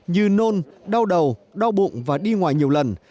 như nôn đau đầu đau bụng và đi ngoài nhiều lần